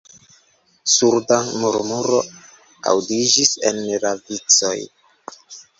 Surda murmuro aŭdiĝis en la vicoj.